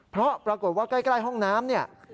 เพราะปรากฏว่าใกล้ห้องน้ำเนี่ย